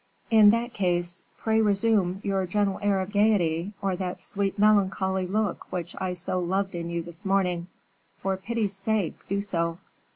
"In that case, pray resume your gentle air of gayety, or that sweet melancholy look which I so loved in you this morning; for pity's sake, do so."